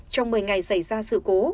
trong một mươi ngày xảy ra sự cố